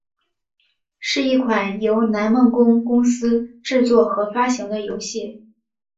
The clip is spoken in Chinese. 是一款由南梦宫公司制作和发行的游戏。